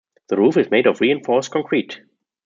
The roof is made of reinforced concrete.